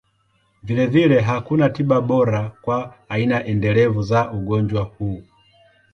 Vilevile, hakuna tiba bora kwa aina endelevu za ugonjwa huu.